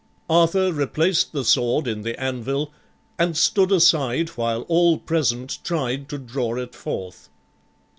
Arthur replaced the sword in the anvil and stood aside while all present tried to draw it forth.